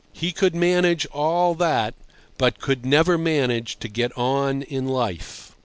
He could manage all that, but could never manage to get on in life.